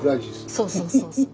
そうそうそうそう。